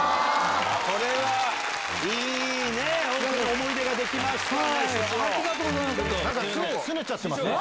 これはいい思い出ができましたね